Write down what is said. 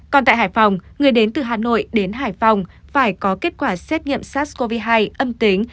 còn tại hải phòng người đến từ hà nội đến hải phòng phải có kết quả xét nghiệm sars cov hai âm tính